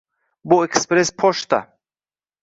Bu ekspress pochta.